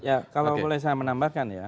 ya kalau boleh saya menambahkan ya